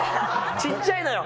ちっちゃいのよ。